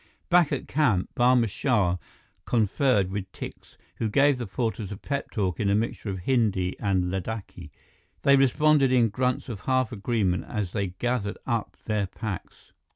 Back at camp, Barma Shah conferred with Tikse, who gave the porters a pep talk in a mixture of Hindi and Ladakhi. They responded in grunts of half agreement as they gathered up their packs.